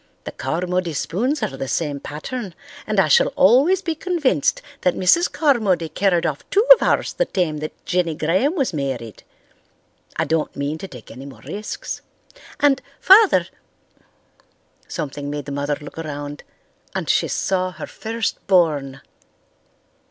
The Carmody spoons are the same pattern and I shall always be convinced that Mrs. Carmody carried off two of ours the time that Jenny Graham was married. I don't mean to take any more risks. And, Father——" Something made the mother look around, and she saw her first born!